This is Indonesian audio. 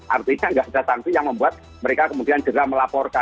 artinya nggak ada sanksi yang membuat mereka kemudian jerah melaporkan